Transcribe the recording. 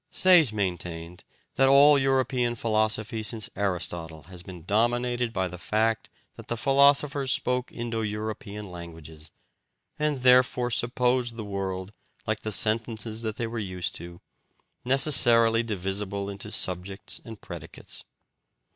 Sayce maintained that all European philosophy since Aristotle has been dominated by the fact that the philosophers spoke Indo European languages, and therefore supposed the world, like the sentences they were used to, necessarily divisible into subjects and predicates.